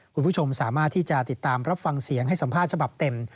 คุณผู้ชมสามารถที่จะติดตามรับฟังเสียงให้สัมภาษณ์ฉบับเต็ม